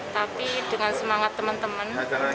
tapi dengan semangat teman teman